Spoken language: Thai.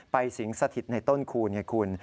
สิงสถิตในต้นคูณไงคุณ